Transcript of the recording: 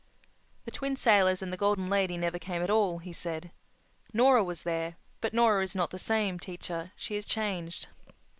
"The Twin Sailors and the Golden Lady never came at all," he said. "Nora was there—but Nora is not the same, teacher. She is changed."